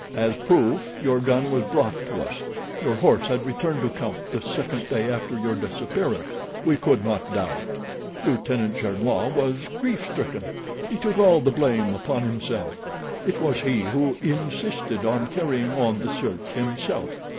As proof your gun was brought to us. Your horse had returned to camp the second day after your disappearance. We could not doubt. Lieutenant Gernois was grief stricken—he took all the blame upon himself. It was he who insisted on carrying on the search himself.